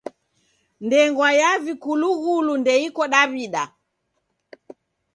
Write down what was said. Ndengwa ya vikulughulu ndeiko Daw'ida.